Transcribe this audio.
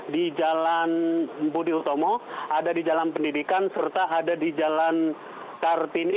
di jalan budi utomo ada di jalan pendidikan serta ada di jalan kartini